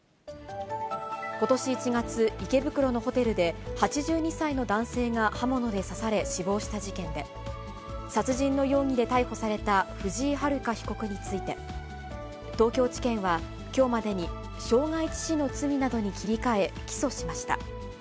ことし１月、池袋のホテルで、８２歳の男性が刃物で刺され、死亡した事件で、殺人の容疑で逮捕された藤井遥被告について、東京地検はきょうまでに、傷害致死の罪などに切り替え、起訴しました。